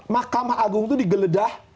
mahkamah agung itu digeledah